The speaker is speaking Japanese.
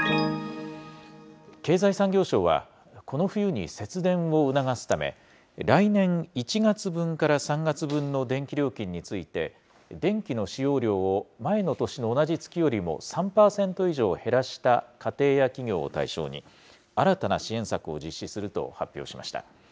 経済産業省は、この冬に節電を促すため、来年１月分から３月分の電気料金について、電気の使用量を前の年の同じ月よりも３％以上減らした家庭や企業を対象に、新たな支援策を実施すると発表しました。